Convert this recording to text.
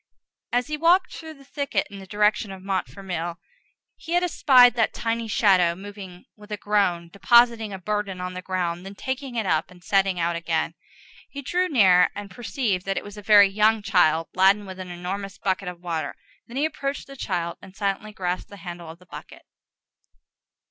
As he walked through the thicket in the direction of Montfermeil, he had espied that tiny shadow moving with a groan, depositing a burden on the ground, then taking it up and setting out again. He drew near, and perceived that it was a very young child, laden with an enormous bucket of water. Then he approached the child, and silently grasped the handle of the bucket.